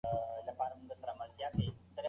پښتو ژبه د غیرت او ننګ ژبه ده.